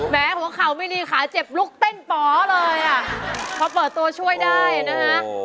แม้ขัวเค่ามินีขาเจ็บบลุกเต้นป๋อเลยพอเปิดโตช่วยได้นะคะ